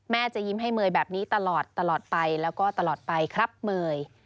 จะยิ้มให้เมย์แบบนี้ตลอดตลอดไปแล้วก็ตลอดไปครับเมย์